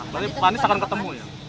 berarti pak anies akan ketemu ya